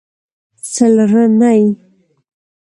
څلرنۍ